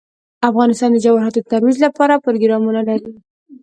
افغانستان د جواهرات د ترویج لپاره پروګرامونه لري.